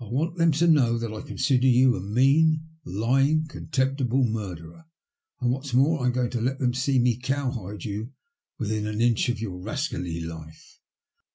I want them to know that I consider you a mean, lying, con temptible murderer. And, what's more, I'm going to let them see me cowhide you within an inch of your rascally life."